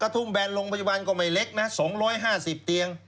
กระทุ่มแบนโรงพยาบาลก็ไม่เล็กนะสองร้อยห้าสิบเตียง